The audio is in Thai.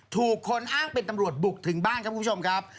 ถูกคนอ้างเป็นตำรวจบุกถึงบ้านครับคุณผู้ชมครับ